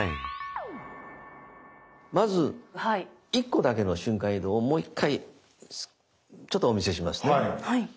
まず１個だけの瞬間移動をもう一回ちょっとお見せしますね。